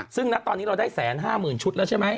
ซึ่งณตอนนี้เราได้๑๕๐๐๐ชุดแล้วใช่ไหม